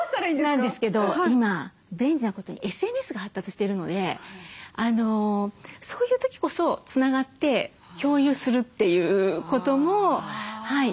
なんですけど今便利なことにＳＮＳが発達してるのでそういう時こそつながって共有するということもできますし。